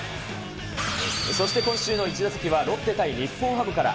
そして今週の１打席はロッテ対日本ハムから。